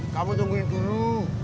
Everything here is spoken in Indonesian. kamu tungguin dulu